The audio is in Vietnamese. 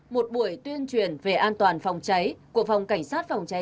một buổi tuyên truyền về an toàn phòng cháy của phòng cảnh sát phòng cháy